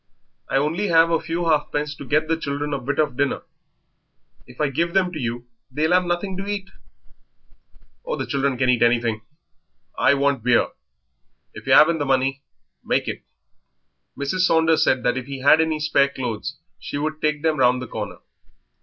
"I only have a few halfpence to get the children a bit of dinner; if I give them to you they'll have nothing to eat." "Oh, the children can eat anything; I want beer. If yer 'aven't money, make it." Mrs. Saunders said that if he had any spare clothes she would take them round the corner.